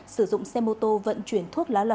sử dụng xe mô tô vận chuyển thuốc lá lậu